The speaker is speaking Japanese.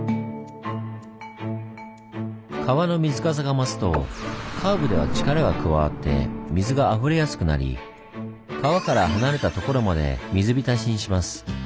川の水かさが増すとカーブでは力が加わって水があふれやすくなり川から離れたところまで水浸しにします。